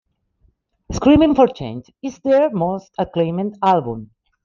"Screaming for Change" is their most acclaimed album.